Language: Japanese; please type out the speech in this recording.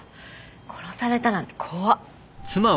殺されたなんて怖っ！